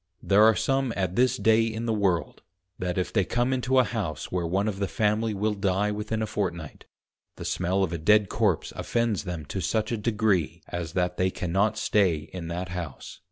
There are some at this day in the World, that if they come into a House where one of the Family will die within a Fortnight, the smell of a dead Corpse offends them to such a degree, as that they cannot stay in that House.